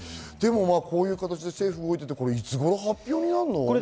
こういう形で政府は動いていて、いつごろ発表になるの？